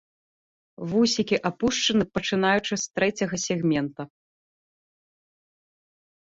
Вусікі апушаны пачынаючы з трэцяга сегмента.